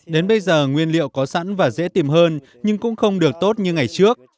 đến bây giờ nguyên liệu có sẵn và dễ tìm hơn nhưng cũng không được tốt như ngày trước